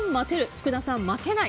福田さん、待てない。